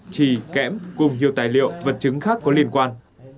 trì kẽm cùng nhiều tài liệu vật chứng khác có liên quan